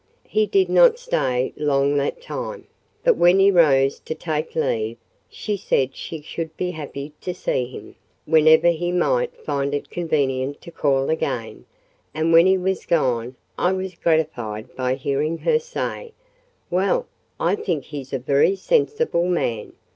He did not stay long that time: but when he rose to take leave, she said she should be happy to see him, whenever he might find it convenient to call again; and when he was gone, I was gratified by hearing her say,—"Well! I think he's a very sensible man.